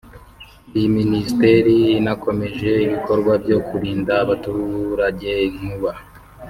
Iyi minisiteri inakomeje ibikorwa byo kurinda abaturage inkuba